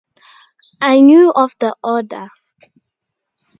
I knew of the order.